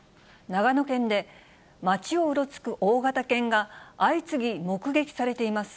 長野県で街をうろつく大型犬が相次ぎ目撃されています。